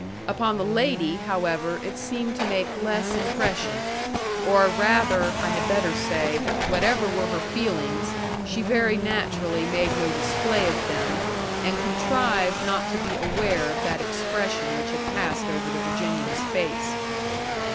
Upon the lady, however, it seemed to make less impression. Or rather, I had better say, whatever were her feelings, she very naturally made no display of them, and contrived not to be aware of that expression which had passed over the Virginian's face.